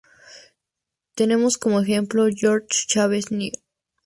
Tenemos como ejemplo: Jorge Chávez Nr.